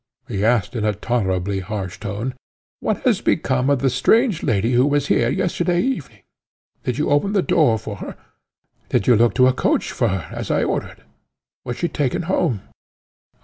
He asked in a tolerably harsh tone, "What has become of the strange lady who was here yesterday evening? Did you open the door for her? Did you look to a coach for her, as I ordered? Was she taken home?"